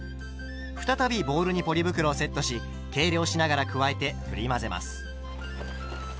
再びボウルにポリ袋をセットし計量しながら加えてふり混ぜます。